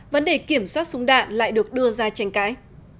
vấn đề kiểm soát súng đạn lại được đưa ra tranh cãi